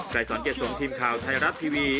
ใกล้สอนเก็บสมทีมข่าวไทยรับท์ทีวี